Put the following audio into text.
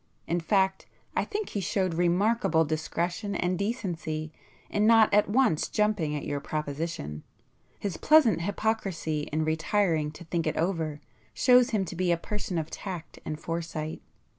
In fact I think he showed remarkable discretion and decency in not at once jumping at your proposition,—his pleasant hypocrisy in retiring to think it over, shows him to be a person of tact and foresight.